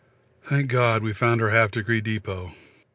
Thank God we found our Half Degree Depôt.